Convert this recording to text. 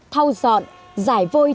thau dọn giải vôi